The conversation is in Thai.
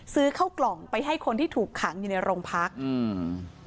ซื้อเข้ากล่องไปให้คนที่ถูกขังอยู่ในโรงพักอืม